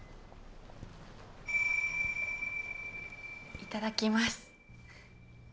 いただきます。